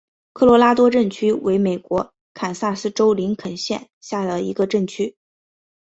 科罗拉多镇区为美国堪萨斯州林肯县辖下的镇区。